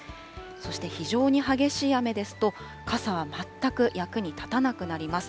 そして非常に激しい雨ですと、傘は全く役に立たなくなります。